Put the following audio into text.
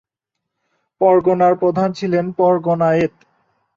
পরগনার প্রধান ছিলেন পরগনায়েৎ।